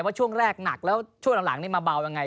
ว่าช่วงแรกหนักแล้วช่วงหลังหลังเนี้ยมาเบายังไง